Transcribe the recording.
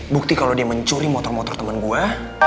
bukti kalau dia mencuri motor motor temen gue